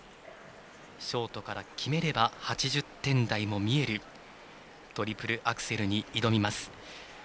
ショートから決めれば８０点台も見えるトリプルアクセルに挑みます。